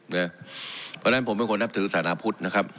เพราะฉะนั้นผมเป็นคนนับถือสถานพุทธนะครับ